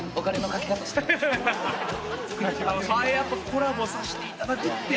コラボさせていただくって。